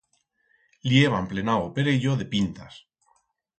Li heban plenau o perello de pintas.